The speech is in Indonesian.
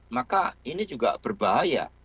maka ini juga berbahaya